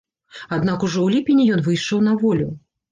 Аднак ужо ў ліпені ён выйшаў на волю.